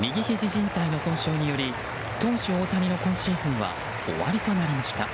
じん帯の損傷により投手・大谷の今シーズンは終わりとなりました。